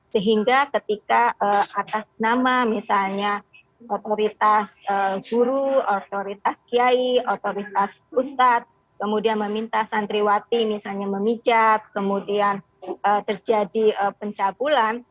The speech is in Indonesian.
sehingga ketika atas nama misalnya otoritas guru otoritas kiai otoritas pusat kemudian meminta santriwati misalnya memijat kemudian terjadi pencabulan